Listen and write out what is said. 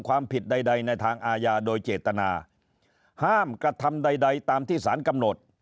ความผิดใดในทางอาญาโดยเจตนาห้ามกระทำใดใดตามที่สารกำหนด